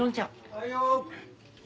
はいよ。